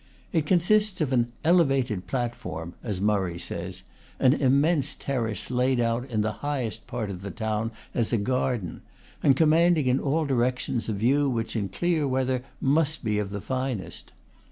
It consists of an "elevated platform," as Murray says, an im mense terrace, laid out, in the highest part of the town, as a garden, and commanding in all directions a view which in clear weather must be of the finest.